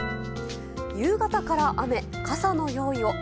夕方から雨、傘の用意を。